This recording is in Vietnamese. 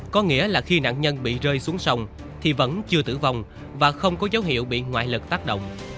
có nghĩa là khi nạn nhân bị rơi xuống sông thì vẫn chưa tử vong và không có dấu hiệu bị ngoại lực tác động